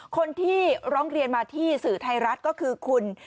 คนที่ร้องเรียนมาที่สื่อไทยรัฐก็คือคุณ